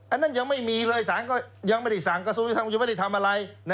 อันนั้นยังไม่มีเลยยังไม่ได้สั่งกระทรูยังไม่ได้ทำอะไร